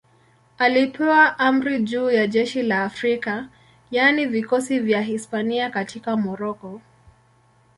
Alipewa amri juu ya jeshi la Afrika, yaani vikosi vya Hispania katika Moroko.